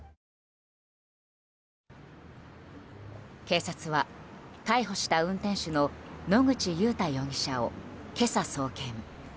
警察は、逮捕した運転手の野口祐太容疑者を今朝、送検。